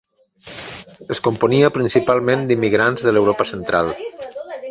Es componia principalment d'immigrants de l'Europa Central.